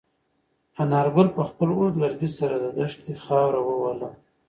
انارګل په خپل اوږد لرګي سره د دښتې خاوره ووهله.